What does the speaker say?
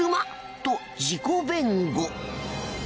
と自己弁護。